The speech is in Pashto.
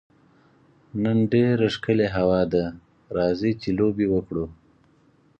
نن ډېره ښکلې هوا ده، راځئ چي لوبي وکړو.